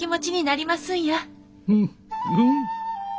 うんうん！